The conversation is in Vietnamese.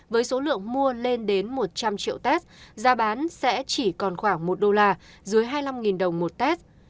với số lượng mua lên đến một trăm linh triệu test giá bán sẽ chỉ còn khoảng một đô la dưới hai mươi năm đồng một test